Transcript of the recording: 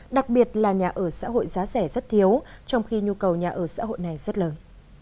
đặc biệt là nhà ở xã hội giá rẻ rất thiếu trong khi nhu cầu nhà ở xã hội này rất lớn